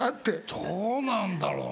どうなんだろうな。